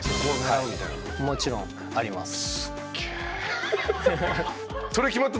はいもちろんあります。